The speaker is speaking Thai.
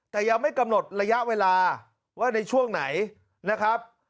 แต่ยังไม่กำหนดระยะเวลาว่าในช่วงไหนนะครับ